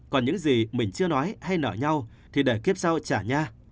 còn những gì mình chưa nói hay nở nhau thì để kiếp sau trả nha